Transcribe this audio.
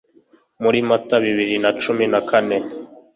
muri Mata bibiri na cumi nakane ,